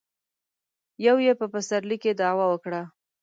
يو يې په پسرلي کې دعوه وکړه.